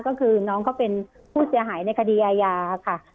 ก็คือน้องเขาเป็นผู้เสียหายในคดีอาญาค่ะ